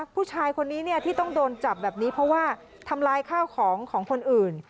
ผู้ชายคนนี้ที่ต้องโดนจับแบบนี้เพราะว่าทำลายข้าวของของคนอื่น